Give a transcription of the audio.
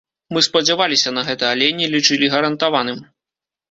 Мы спадзяваліся на гэта, але не лічылі гарантаваным.